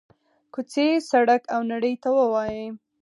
کوڅې، سړک او نړۍ ته ووايي: